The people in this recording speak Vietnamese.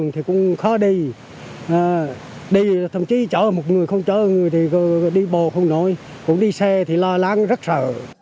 thậm chí chở một người không chở người thì đi bộ không nổi cũng đi xe thì lo lắng rất sợ